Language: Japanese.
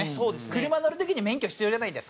車乗る時に免許必要じゃないですか。